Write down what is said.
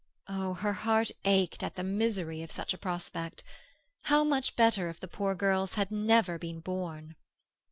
Oh!—her heart ached at the misery of such a prospect. How much better if the poor girls had never been born.